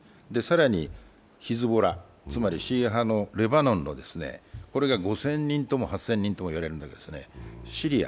更にヒズボラ、つまりシーア派のレバノンの、これが５０００人とも８０００人とも言われるんですがシリア、